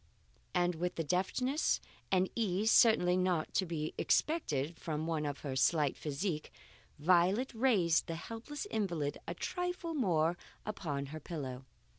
And with a deftness and ease certainly not to be expected from one of her slight physique, Violet raised the helpless invalid a trifle more upon her pillow.